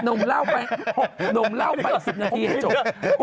หนุ่มเล่าไปอีก๑๐นาทีให้จบ